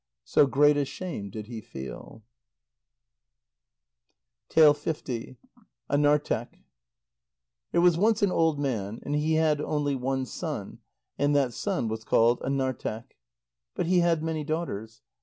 So great a shame did he feel. ANARTEQ There was once an old man, and he had only one son, and that son was called Anarteq. But he had many daughters.